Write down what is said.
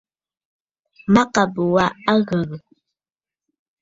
Mâkàbə̀ wa a ghə̀gə̀.